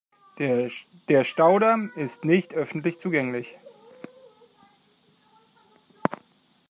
Der Staudamm ist nicht öffentlich zugänglich.